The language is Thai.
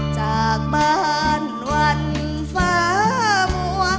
จากบ้านวันฟ้ามัว